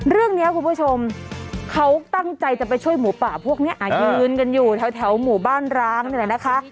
คุณผู้ชมเขาตั้งใจจะไปช่วยหมูป่าพวกนี้ยืนกันอยู่แถวหมู่บ้านร้างนี่แหละนะคะ